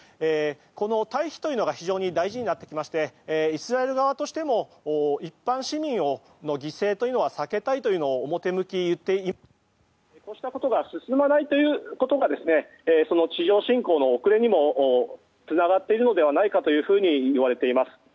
この退避というのが非常に大事になってきましてイスラエル側としても一般市民の犠牲は避けたいというのを表向きに言っていましてこうしたことが進まないということが地上侵攻の遅れにもつながっているのではないかといわれています。